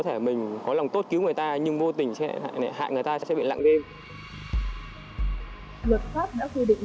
thể mình có lòng tốt cứu người ta nhưng vô tình hại người ta sẽ bị lặng đêm luật pháp đã quy định